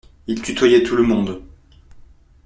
Il tutoyait tout le monde.